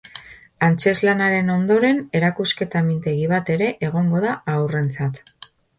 Antzezlanaren ondoren, erakusketa mintegi bat ere egongo da haurrentzat.